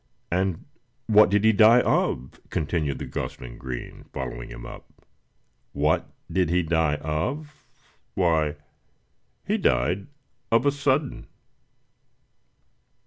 "And what did he die of?" continued gosling green, following him up. "What did he die of? why, he died of a sudden!"